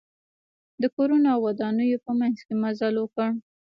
د کورونو او ودانیو په منځ کې مزل وکړ.